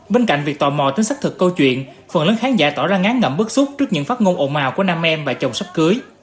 bên cạnh việc tò mò tính xác thực câu chuyện phần lớn khán giả tỏ ra ngán ngẩm bức xúc trước những phát ngôn ồn ào của nam em và chồng sắp cưới